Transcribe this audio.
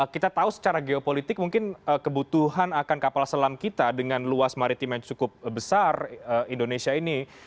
kita tahu secara geopolitik mungkin kebutuhan akan kapal selam kita dengan luas maritim yang cukup besar indonesia ini